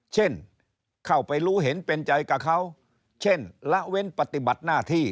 เช่นเข้าไปรู้เห็นเป็นใจกับเขาเช่นละเว้นปฏิบัติหน้าที่